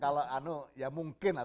kalau ya mungkin lah